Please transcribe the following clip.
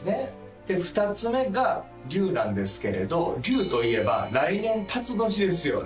で２つ目が龍なんですけれど龍といえば来年たつ年ですよね